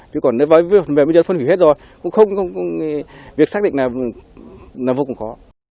chứ còn với phân hủy hết rồi việc xác định là vô cùng khó